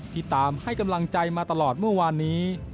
ตามให้กำลังใจมาตลอดเมื่อวานนี้